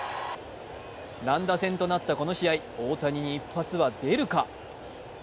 乱打戦となったこの試合、大谷に一発は出るか？